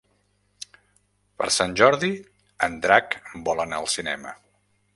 Per Sant Jordi en Drac vol anar al cinema.